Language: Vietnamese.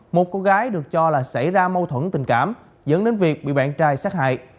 một cô gái được cho là xảy ra mâu thuẫn tình cảm dẫn đến việc bị bạn trai sát hại